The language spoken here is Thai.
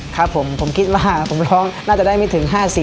ครับผมผมคิดว่าผมร้องน่าจะได้ไม่ถึง๕๐